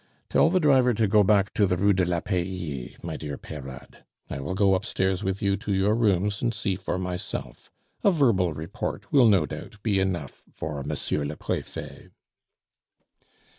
"Tell the driver to go back to the Rue de la Paix, my dear Peyrade. I will go upstairs with you to your rooms and see for myself. A verbal report will no doubt be enough for Monsieur le Prefet."